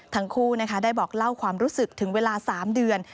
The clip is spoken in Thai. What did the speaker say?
ทั้งคู่ได้บอกเล่าความรู้สึกถึงเวลา๓เดือน